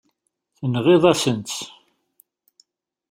Tenɣiḍ-asen-tt.